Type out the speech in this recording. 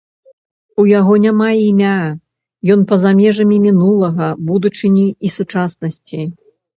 У яго няма імя, ён па-за межамі мінулага, будучыні і сучаснасці.